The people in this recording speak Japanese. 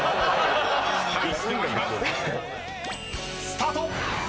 ［スタート！］